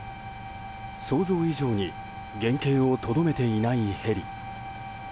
想像以上に原形をとどめていないヘリ。